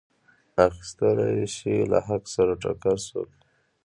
اخیستلی شي له حق سره ټکر څوک.